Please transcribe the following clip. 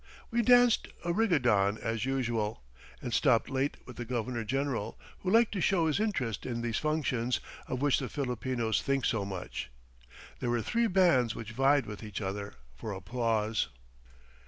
We danced a rigodon as usual, and stopped late with the Governor General, who liked to show his interest in these functions, of which the Filipinos think so much. There were three bands, which vied with each other for applause.